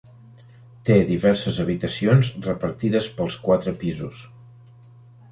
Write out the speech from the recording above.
Té diverses habitacions repartides pels quatre pisos.